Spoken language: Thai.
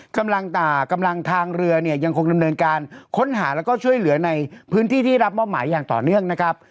กำลังทางเรือเนี่ยยังคงดำเนินการค้นหาแล้วก็ช่วยเหลือในพื้นที่ที่รับมอบหมายอย่างต่อเนื่องนะครับ